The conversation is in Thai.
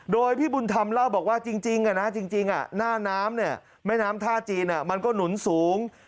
โดยพี่บุญธรรมเล่าบอกว่าจริงจริงหน้าน้ำแม่น้ำท่าจีนมันก็หนุนสูง